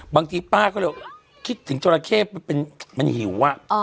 บางทีป้าก็เลยคิดถึงจรเข้เป็นมันหิวอ่ะอ๋อ